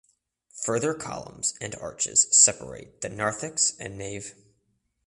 Further columns and arches separate the narthex and nave.